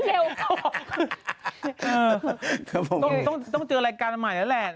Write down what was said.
เออต้องเจอรายการใหม่นี่แหละ